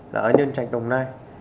là ở nhân trạch đồng nai